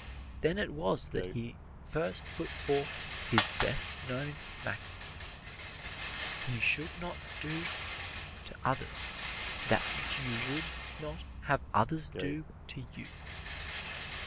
Then it was that he first put forth his best known maxim: "You should not do to others that which you would not have others do to you."